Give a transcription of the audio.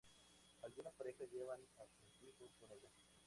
Algunas parejas llevan a sus hijos con ellas.